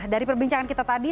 dari perbincangan kita tadi